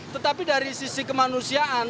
tetapi dari sisi kemanusiaan